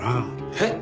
えっ？